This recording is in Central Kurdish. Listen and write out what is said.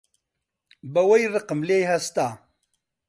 بە وەی ڕقم لێی هەستا